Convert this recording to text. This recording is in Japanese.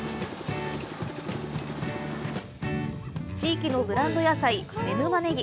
地域のブランド野菜、妻沼ねぎ。